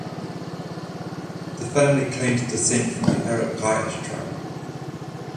The family claimed descent from the Arab Quraysh tribe.